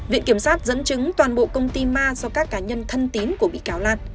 viện kiểm sát dẫn chứng toàn bộ công ty ma do các cá nhân thân tín của bị cáo lan